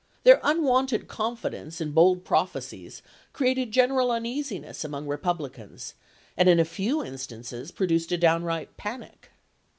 Their unwonted confidence and bold prophecies created general uneasiness among Re publicans, and, in a few instances, produced a downright panic.